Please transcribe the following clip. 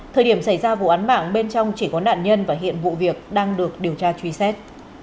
thời điểm xảy ra vụ án mạng bên trong chỉ có nạn nhân và hiện vụ việc đang được điều tra truy xét